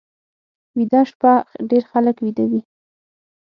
ویده شپه ډېر خلک ویده وي